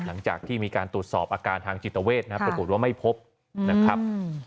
หลังจากที่มีการตรวจสอบอาการทางจิตเวทนะครับปรากฏว่าไม่พบนะครับ